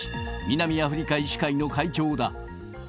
南アフリカ医師会の会長だ。